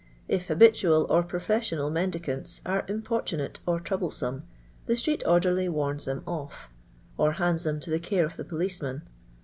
If habitual or .pro fessional mendicants ore importunate or trouble some, the street orderly warns them off; or hands them to the care of the policeman.